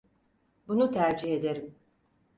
Bunu tercih ederim.